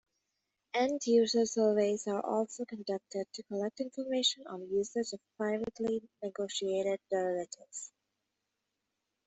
End-User Surveys are also conducted to collect information on usage of privately negotiated derivatives.